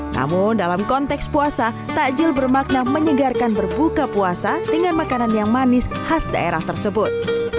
namun dalam konteks puasa takjil bermakna menyegarkan berbuka puasa dengan makanan yang manis khas daerah tersebut